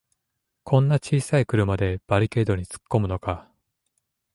こんな小さい車でバリケードにつっこむのか